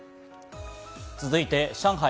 続いて上海